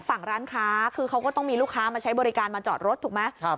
ฝั่งร้านค้าคือเขาก็ต้องมีลูกค้ามาใช้บริการมาจอดรถถูกไหม